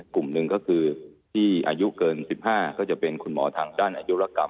กลุ่มหนึ่งก็คือที่อายุเกิน๑๕ก็จะเป็นคุณหมอทางด้านอายุรกรรม